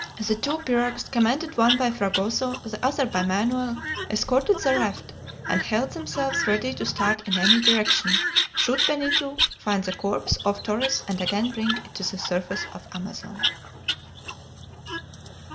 The two pirogues, commanded one by Fragoso, the other by Manoel, escorted the raft, and held themselves ready to start in any direction, should Benito find the corpse of Torres and again bring it to the surface of the Amazon.